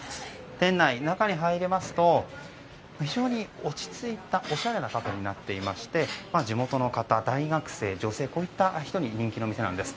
店内中に入りますと非常に落ち着いた、おしゃれなカフェになっておりまして地元の方、大学生、女性こういった人に人気の店なんです。